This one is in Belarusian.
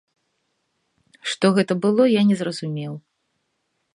Што гэта было я не зразумеў.